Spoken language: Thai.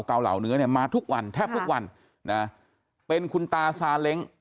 เหล่าเนื้อเนี่ยมาทุกวันแทบทุกวันนะเป็นคุณตาซาเล้ง